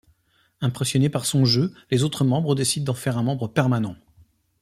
Impressionné par son jeu, les autres membres décident d'en faire un membre permanent.